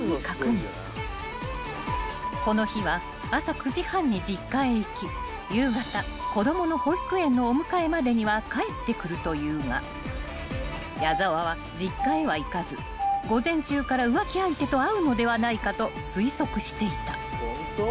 ［この日は朝９時半に実家へ行き夕方子供の保育園のお迎えまでには帰ってくるというが矢澤は実家へは行かず午前中から浮気相手と会うのではないかと推測していた］